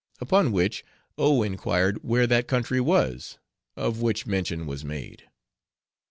Upon which, O inquired where that country was, of which mention was made.